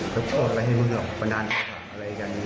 ก็โทษไปให้พูดเรื่องบรรดาโทษะอะไรกัน